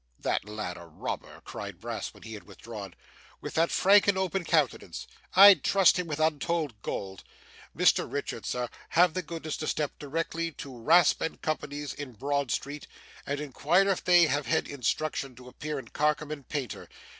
That lad a robber!' cried Brass when he had withdrawn, 'with that frank and open countenance! I'd trust him with untold gold. Mr Richard, sir, have the goodness to step directly to Wrasp and Co.'s in Broad Street, and inquire if they have had instructions to appear in Carkem and Painter.